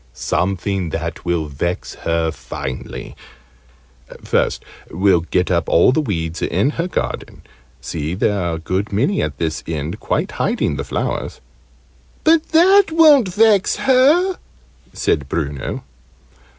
"Something that will vex her finely. First, we'll get up all the weeds in her garden. See, there are a good many at this end quite hiding the flowers." "But that won't vex her!" said Bruno.